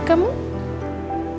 i kamu ambil itu dong